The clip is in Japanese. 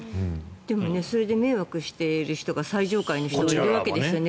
でも、それで迷惑している人が最上階の人、いるわけですよね。